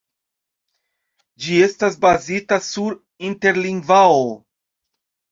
Ĝi estas bazita sur Interlingvao.